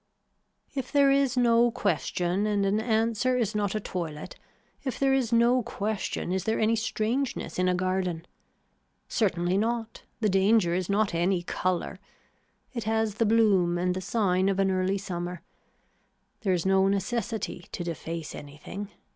If there is no question and an answer is not a toilet, if there is no question is there any strangeness in a garden. Certainly not, the danger is not any color. It has the bloom and the sign of an early summer. There is no necessity to deface anything.